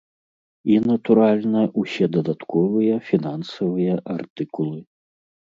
І, натуральна, усе дадатковыя фінансавыя артыкулы.